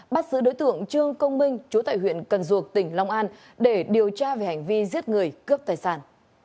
bắt giữ đối tượng trương công minh chú tại huyện cần duộc tỉnh long an để điều tra về hành vi giết người cướp tài sản